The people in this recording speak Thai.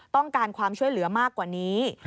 ต้องการความช่วยเหลือมากกว่านี้